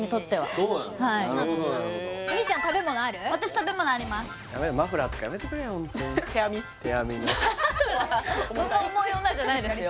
そんな重い女じゃないですよ